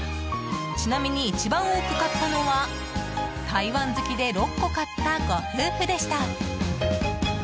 ちなみに一番多く買ったのは台湾好きで６個買ったご夫婦でした。